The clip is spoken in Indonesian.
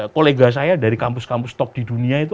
kolega saya dari kampus kampus stok di dunia itu